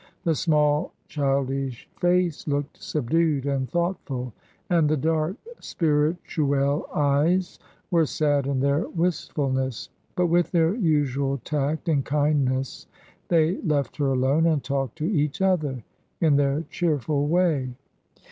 The small, childish face looked subdued and thoughtful, and the dark, spirituelle eyes were sad in their wistfulness; but with their usual tact and kindness they left her alone, and talked to each other in their cheerful way.